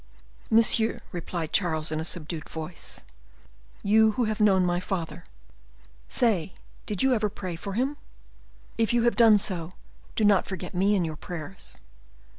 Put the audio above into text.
"Monsieur," replied Charles II., in a subdued voice, "you who have known my father, say, did you ever pray for him? If you have done so, do not forget me in your prayers.